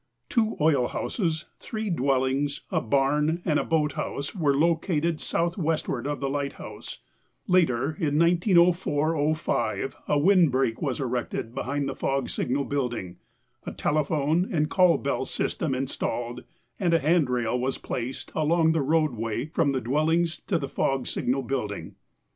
Two oil houses, three dwellings, a barn, and a boathouse were located south westward of the lighthouse. (LL 1908: 115; LL 1909: 46 47; LL 1916: 144 45; AR 1905: 176 7) Later, in 1904 05, a windbreak was erected behind the fog signal building, a telephone and call bell system installed, and a handrail was placed along the roadway from the dwellings to the fog signal building.